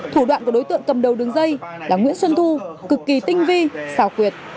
thủ đoạn của đối tượng cầm đầu đường dây là nguyễn xuân thu cực kỳ tinh vi xào quyệt